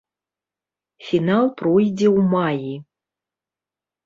Фінал пройдзе ў маі.